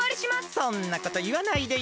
そんなこといわないでよ。